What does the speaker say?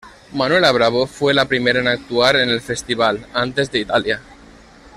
Manuela Bravo fue la primera en actuar en el festival, antes de Italia.